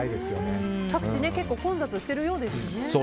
各地結構混雑しているようですしね。